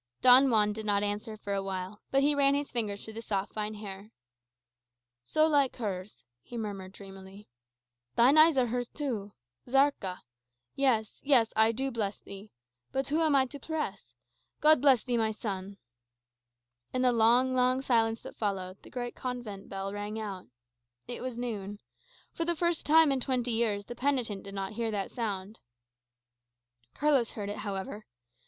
Don Juan did not answer for a while; but he ran his fingers through the soft fine hair. "So like hers," he murmured dreamily. "Thine eyes are hers too zarca.[#] Yes, yes; I do bless thee But who am I to bless? God bless thee, my son!" [#] Blue; a word applied by the Spaniards only to blue eyes. In the long, long silence that followed, the great convent bell rang out. It was noon. For the first time for twenty years the penitent did not hear that sound. Carlos heard it, however.